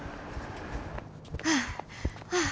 はあはあ。